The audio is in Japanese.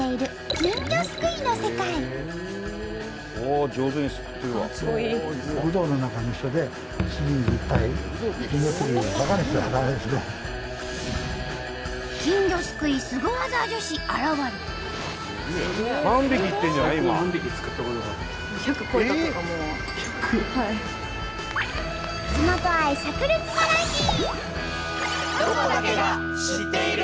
地元愛さく裂バラエティー！